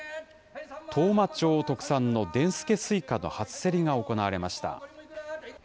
当麻町特産のでんすけすいかの初競りが行われました。